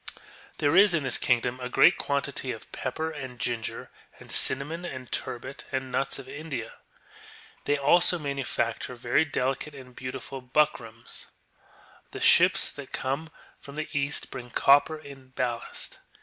^ There is in this kingdom a great quantity of pepper, and ginger, and cinnamon, and turbit, and of nuts of India."* They also manufacture very delicate and beautiful buck rams. The ships that come from the east bring copper in ballast.